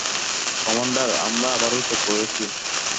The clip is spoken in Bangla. কমান্ডার, আমরা আবারও চেক করেছি।